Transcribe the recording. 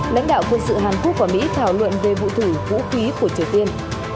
lãnh đạo quân sự hàn quốc và mỹ thảo luận về vụ thử vũ khí của triều tiên